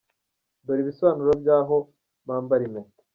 Dore ibisobanuro by’aho bambara impeta